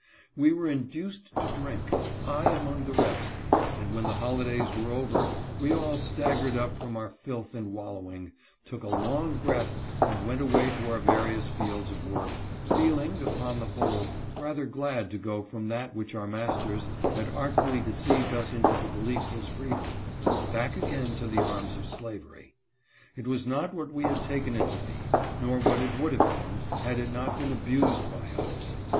We were induced to drink, I among the rest, and when the holidays were over we all staggered up from our filth and wallowing, took a long breath, and went away to our various fields of work, feeling, upon the whole, rather glad to go from that which our masters had artfully de ceived us into the belief was freedom, back again to the arms of slavery. It was not what we had taken it to be, nor what it would have been, had it not been abused by us.